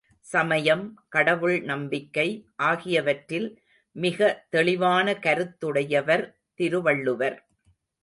சமயம், கடவுள் நம்பிக்கை ஆகியவற்றில் மிக தெளிவான கருத்துடையவர் திருவள்ளுவர்.